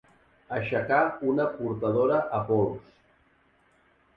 Aixecar una portadora a pols.